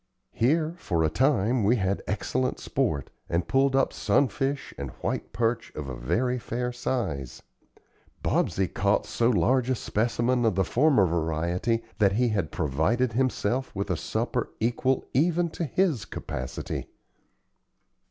Here, for a time, we had excellent sport, and pulled up sunfish and white perch of a very fair size. Bobsey caught so large a specimen of the former variety that he had provided himself with a supper equal even to his capacity.